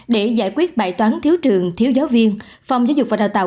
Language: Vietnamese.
để giải quyết bài toán thiếu trường thiếu giáo viên phòng giáo dục và đào tạo